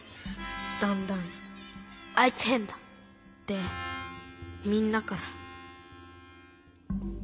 だんだん「あいつ変だ」ってみんなから。